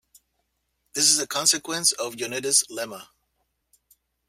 This is a consequence of Yoneda's lemma.